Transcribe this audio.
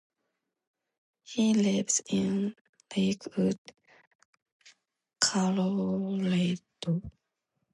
He lives in Lakewood, Colorado.